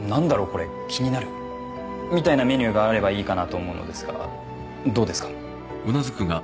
これ気になるみたいなメニューがあればいいかなと思うのですがどうですか？